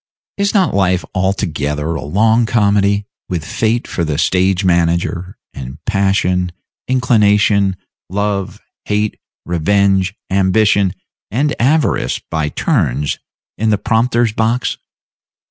Is not life altogether a long comedy, with Fate for the stage manager, and Passion, Inclination, Love, Hate, Revenge, Ambition, and Avarice, by turns, in the prompter's box?